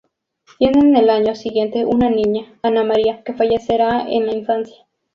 Tienen el año siguiente una niña, Ana María, que fallecerá en la infancia.